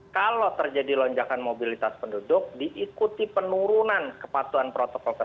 kalau terjadi lonjakan mobilitas penduduk diikuti penurunan kepatuhan protokol kesehatan